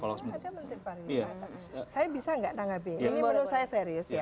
ada menteri pariwisata saya bisa nggak tanggapi ini menurut saya serius ya